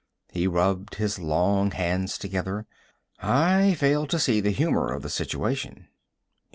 He rubbed his long hands together. "I fail to see the humor of the situation."